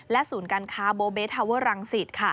และศูนย์การค้าโบเบสเทอร์รังสิทธิ์